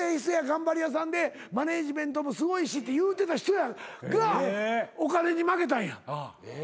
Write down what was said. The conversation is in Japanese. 頑張り屋さんでマネジメントもすごいしっていうてた人がお金に負けたんや。